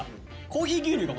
コーヒー牛乳を。